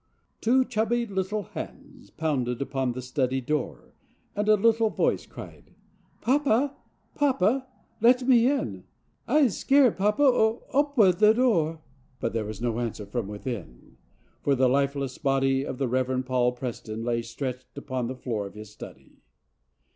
17 ] Two chubby little hands pounded upon the study door and a little voice cried: " Papa, papa, let me in ! I'se scared, papa ! Opa door! " But there was no answer from within, for the life¬ less body of the Reverend Paul Preston lay stretched upon the floor of his study.